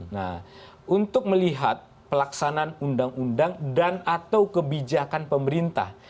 nah untuk melihat pelaksanaan undang undang dan atau kebijakan pemerintah